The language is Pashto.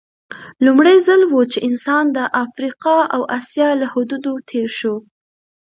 لومړی ځل و چې انسان د افریقا او اسیا له حدودو تېر شو.